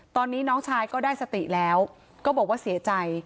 ตอนนี้น้องชายก็ได้สติแล้วก็บอกว่าเสียใจ